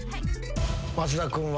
松田君は？